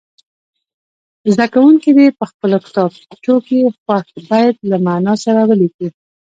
زده کوونکي دې په خپلو کتابچو کې خوښ بیت له معنا سره ولیکي.